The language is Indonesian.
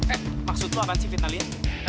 eh maksud lo apa sih fitnalia